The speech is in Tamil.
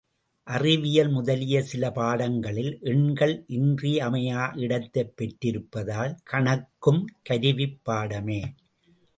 அறிவியல் முதலிய சில பாடங்களில் எண்கள் இன்றியமையா இடத்தைப் பெற்றிருப்பதால், கணக்கும் கருவிப் பாடமே.